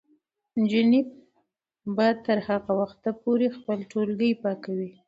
نجونې به تر هغه وخته پورې خپل ټولګي پاکوي.